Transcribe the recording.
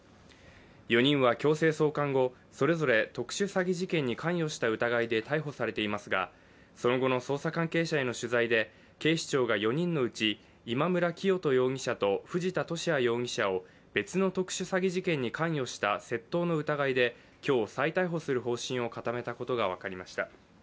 ４人は強制送還後、それぞれ特殊詐欺事件に関与した疑いで逮捕されていますが、その後の捜査関係者への取材で警視庁が４人のうち今村磨人容疑者と藤田聖也容疑者を別の特殊詐欺事件に関与した窃盗の疑いで今日再逮捕する方針を固めたことが分かりました。